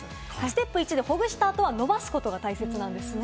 ステップ１でほぐした後は、伸ばすことが大切なんですね。